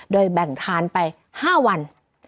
โดยแบ่งทานไป๕วัน